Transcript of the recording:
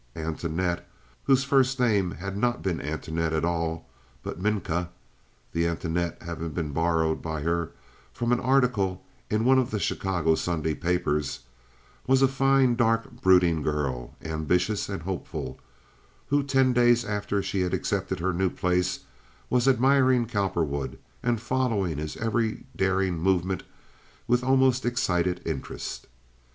Antoinette, whose first name had not been Antoinette at all, but Minka (the Antoinette having been borrowed by her from an article in one of the Chicago Sunday papers), was a fine dark, brooding girl, ambitious and hopeful, who ten days after she had accepted her new place was admiring Cowperwood and following his every daring movement with almost excited interest.